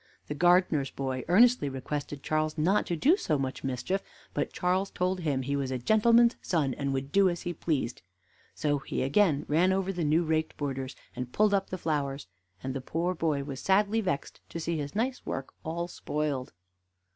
The gardener's boy earnestly requested Charles not to do so much mischief; but Charles told him he was a gentleman's son, and would do as he pleased. So he again ran over the new raked borders, and pulled up the flowers; and the poor boy was sadly vexed to see his nice work all spoiled.